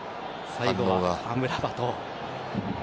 最後はアムラバト。